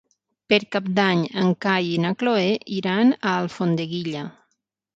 Per Cap d'Any en Cai i na Cloè iran a Alfondeguilla.